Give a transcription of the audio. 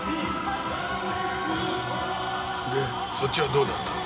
でそっちはどうだった？